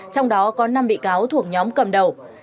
trong đó có năm bị cáo thuộc nhóm cầm đầu